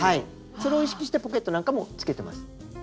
それを意識してポケットなんかもつけてます。